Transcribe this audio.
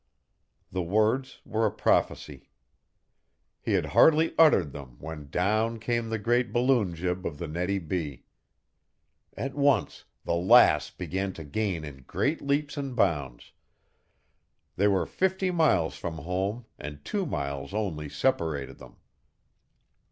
The words were a prophecy. He had hardly uttered them when down came the great balloon jib of the Nettie B. At once the Lass began to gain in great leaps and bounds. They were fifty miles from home and two miles only separated them.